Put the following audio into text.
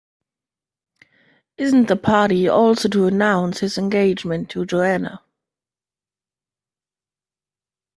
Isn't the party also to announce his engagement to Joanna?